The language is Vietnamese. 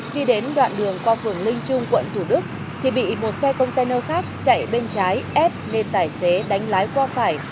khi đến đoạn đường qua phường linh trung quận thủ đức thì bị một xe container khác chạy bên trái ép nên tài xế đánh lái qua phải